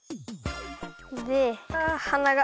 であはなが！